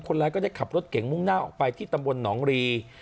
คนร้ายก็ได้ขับรถเก่งมุ่งหน้าออกไปที่ตำบลหนองรี